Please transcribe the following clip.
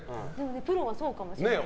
プロはそうかもしれないですね。